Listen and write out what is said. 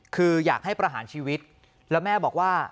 คืออยากให้ประหารชีวิตแล้วแม่บอกว่า